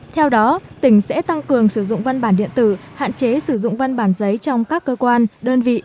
theo đó tỉnh sẽ tăng cường sử dụng văn bản điện tử hạn chế sử dụng văn bản giấy trong các cơ quan đơn vị